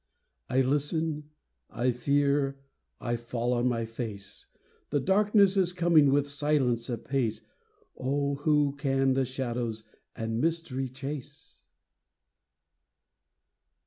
1 listen, I fear, I fall on my face; The darkness is coming with silence apace — O, who can the shadows and mystery chase